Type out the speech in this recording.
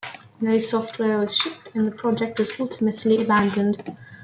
No software was shipped, and the project was ultimately abandoned.